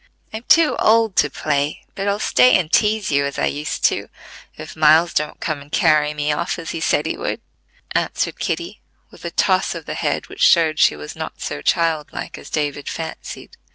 "I'm too old to play, but I'll stay and tease you as I used to, if Miles don't come and carry me off as he said he would," answered Kitty, with a toss of the head which showed she was not so childlike as David fancied.